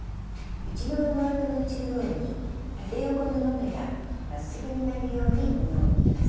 内側の枠の中央に縦横布目がまっすぐになるように布を置きます。